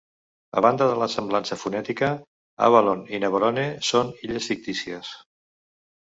A banda de la semblança fonètica, Avalon i Navarone són illes fictícies.